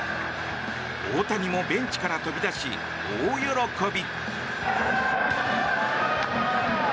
大谷もベンチから飛び出し、大喜び。